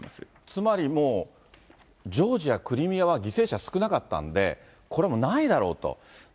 つまり、もう、ジョージア、クリミアは犠牲者少なかったんで、これはもうないだろうと。